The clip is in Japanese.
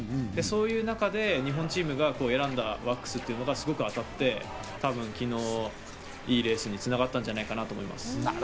その中で日本チームが選んだワックスがすごく当たって、昨日のいいレースにつながったんじゃないかと思います。